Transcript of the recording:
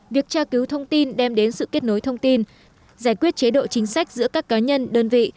việc tra cứu thông tin đem đến sự kết nối thông tin giải quyết chế độ chính sách giữa các cá nhân đơn vị